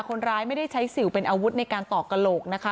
คนร้ายไม่ได้ใช้สิวเป็นอาวุธในการต่อกระโหลกนะคะ